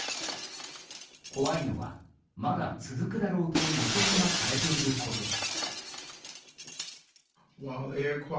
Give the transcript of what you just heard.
怖いのは、まだ続くだろうとの予測がされていることです。